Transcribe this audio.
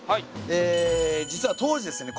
え実は当時ですね